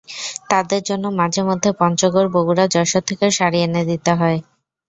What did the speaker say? তাঁদের জন্য মাঝেমধ্যে পঞ্চগড়, বগুড়া, যশোর থেকেও শাড়ি এনে দিতে হয়।